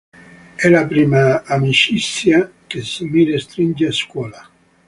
È la prima amicizia che Sumire stringe a scuola.